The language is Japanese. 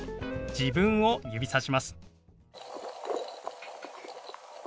自分を指さします。